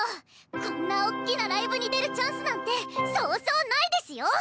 こんなおっきなライブに出るチャンスなんてそうそうないですよ！